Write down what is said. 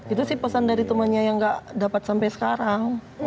itu sih pesan dari temannya yang gak dapat sampai sekarang